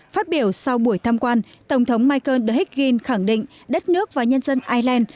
phát biểu sau buổi thăm quan tổng thống michael higgins khẳng định đất nước và nhân dân ireland